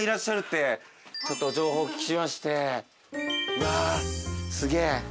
うわすげえ。